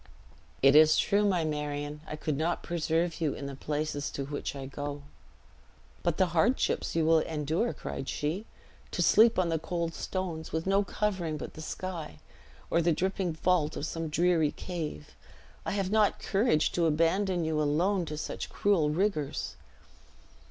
"It is true, my Marion; I could not preserve you in the places to which I go." "But the hardships you will endure!" cried she; "to sleep on the cold stones, with no covering but the sky, or the dripping vault of some dreary cave! I have not courage to abandon you alone to such cruel rigors."